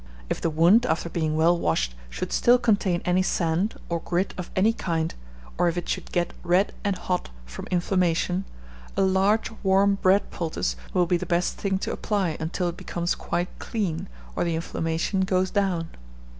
If the wound, after being well washed, should still contain any sand, or grit of any kind, or if it should get red and hot from inflammation, a large warm bread poultice will be the best thing to apply until it becomes quite clean, or the inflammation goes down.